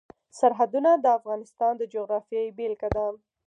سرحدونه د افغانستان د جغرافیې بېلګه ده.